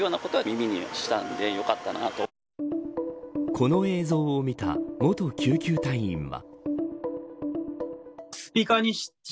この映像を見た元救急隊員は。